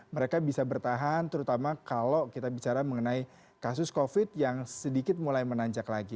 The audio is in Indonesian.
mereka bisa bertahan terutama kalau kita bicara mengenai kasus covid yang sedikit mulai menanjak lagi